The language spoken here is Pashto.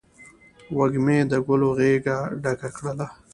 وږمې د ګلو غیږه ډکه کړله